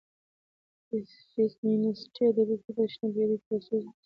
فيمينستي ادبي فکر د شلمې پېړيو په وروستيو لسيزو کې